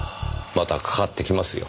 またかかってきますよ。